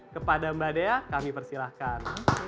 kepada mbak dea kami persilahkan